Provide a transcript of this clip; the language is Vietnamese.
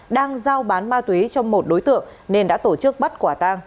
đang giao bán ma túy cho một đối tượng nên đã tổ chức bắt quả tang